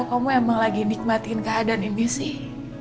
kamu emang lagi nikmatin keadaan ini sih